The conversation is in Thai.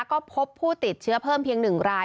ก็พบผู้ติดเชื้อเพิ่มเพียง๑ราย